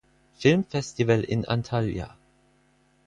Filmfestival in Antalya